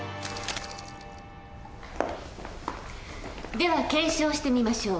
では検証してみましょう。